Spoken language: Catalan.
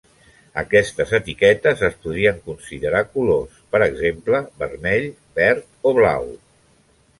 Aquestes etiquetes es podrien considerar colors, per exemple, vermell, verd o blau.